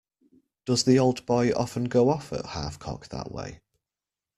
Does the old boy often go off at half-cock that way.